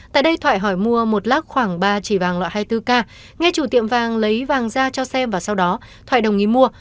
tại đây thoại hỏi mua một lác khoảng ba chỉ vàng loại hai mươi bốn k ngay chủ tiệm vàng lấy vàng ra cho xem và sau đó thoại đồng ý mua